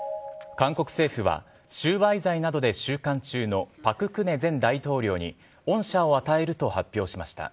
韓国政府は収賄罪などで収監中の朴槿恵前大統領に恩赦を与えると発表しました。